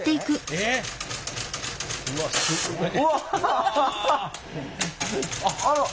すごい。